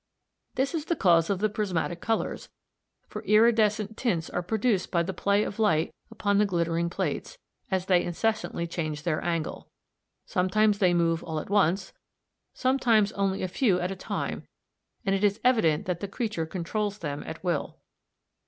This is the cause of the prismatic colours; for iridescent tints are produced by the play of light upon the glittering plates, as they incessantly change their angle. Sometimes they move all at once, sometimes only a few at a time, and it is evident the creature controls them at will.